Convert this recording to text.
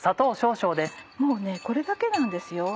もうこれだけなんですよ